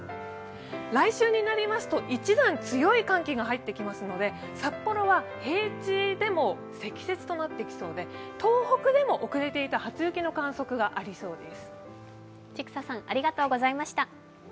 来週になりますと一段強い寒気が入ってきますので札幌は平地でも積雪となってきそうで東北でも遅れていた初雪の観測がありそうです。